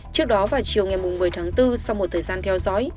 trước đó vào chiều ngày một mươi tháng bốn sau một thời gian theo dõi